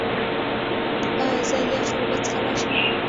ایا زه یخې اوبه څښلی شم؟